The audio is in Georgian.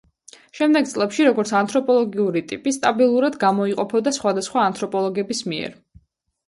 შემდეგ წლებში როგორც ანთროპოლოგიური ტიპი სტაბილურად გამოიყოფოდა სხვადასხვა ანთროპოლოგების მიერ.